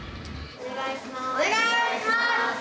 お願いします。